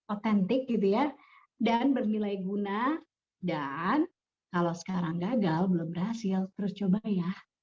otentik gitu ya dan bernilai guna dan kalau sekarang gagal belum berhasil terus coba ya